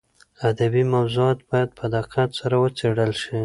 ادبي موضوعات باید په دقت سره وڅېړل شي.